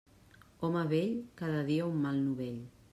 Home vell, cada dia un mal novell.